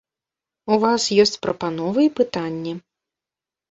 У вас ёсць прапановы і пытанні.